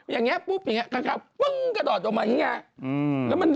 อย่างนี้กลับกะเรียบจะตอบจะออกมาแบบนี้